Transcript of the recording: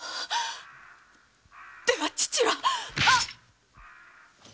では父は！？